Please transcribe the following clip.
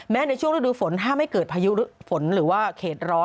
ในช่วงฤดูฝนห้ามไม่เกิดพายุฝนหรือว่าเขตร้อน